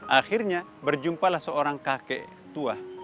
akhirnya berjumpalah seorang kakek tua